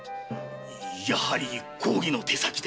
やはり公儀の手先でしょうか？